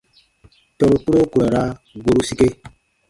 Tɔnu kpuro ku ra raa goru sike.